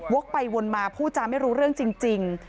ไปวนมาพูดจาไม่รู้เรื่องจริง